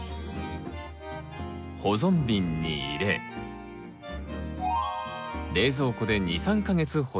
保存瓶に入れ冷蔵庫で２３か月保存できます。